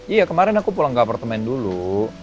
iya kemarin aku pulang ke apartemen dulu